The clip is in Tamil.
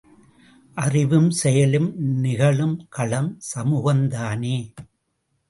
அறிவும் செயலும் நிகழும் களம் சமூகம், தானே!